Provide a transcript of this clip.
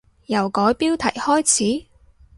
由改標題開始？